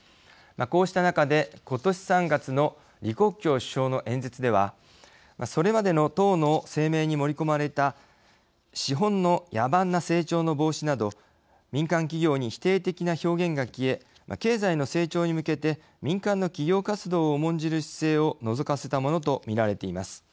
こうした中で、ことし３月の李克強首相の演説ではそれまでの党の声明に盛り込まれた資本の野蛮な成長の防止など民間企業に否定的な表現が消え経済の成長に向けて民間の企業活動を重んじる姿勢をのぞかせたものと見られています。